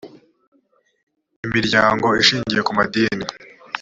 imiryango ishingiye ku madini